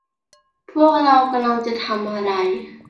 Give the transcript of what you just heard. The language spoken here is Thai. พวกเรากำลังจะทำอะไร